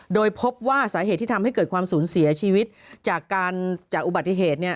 โดยพบว่าสาเหตุที่ทำให้เกิดความสูญเสียชีวิตจากการจากอุบัติเหตุ